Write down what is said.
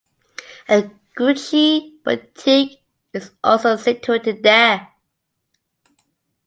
A Gucci boutique is also situated there.